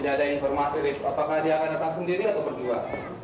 tidak ada informasi apakah dia akan datang sendiri atau berdua